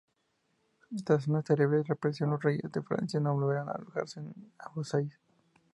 Tras esa terrible represión, los reyes de Francia no volverán a alojarse en Amboise.